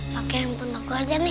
pakai handphone aku aja nih